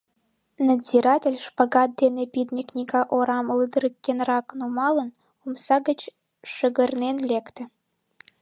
Надзиратель, шпагат дене пидме книга орам лыдыргенрак нумалын, омса гыч шыгырнен лекте.